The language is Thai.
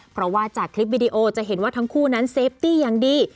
เพราะว่าจากคลิปวิดีโอจะเห็นว่าทั้งคู่นั้นเซฟตี้อย่างดี